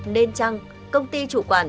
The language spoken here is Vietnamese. nên chăng công ty chủ quản